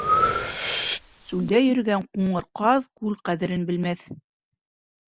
Сүлдә йөрөгән ҡуңыр ҡаҙ күл ҡәҙерен белмәҫ